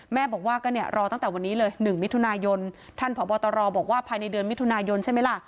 แม่บอกว่าก็เนี่ยรอตั้งแต่วันนี้เลย๑มิถุนายนท่านผอบตรบอกว่าภายในเดือนมิถุนายนใช่ไหมล่ะ